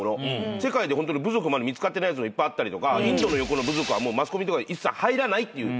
世界で部族見つかってないやついっぱいあったりとかインドの横の部族はマスコミとか一切入らないっていう。